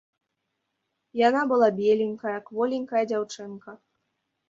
Яна была беленькая, кволенькая дзяўчынка.